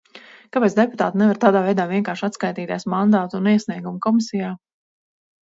Kāpēc deputāti nevar tādā veidā vienkārši atskaitīties Mandātu un iesniegumu komisijā?